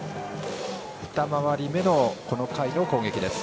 二回り目のこの回の攻撃です。